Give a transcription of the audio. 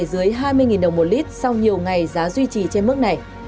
dưới hai mươi đồng một lít sau nhiều ngày giá duy trì trên mức này